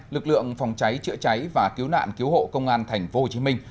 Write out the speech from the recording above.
lực lượng phòng cháy chữa cháy và cứu nạn cứu hộ công an thành phố hồ chí minh